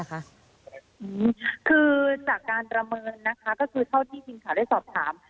คือจากการประเมินนะคะก็คือเท่าที่ทีมข่าวได้สอบถาม